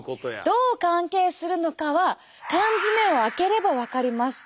どう関係するのかは缶詰を開ければわかります。